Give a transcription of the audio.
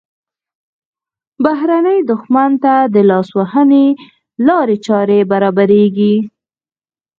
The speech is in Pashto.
بهرني دښمن ته د لاسوهنې لارې چارې برابریږي.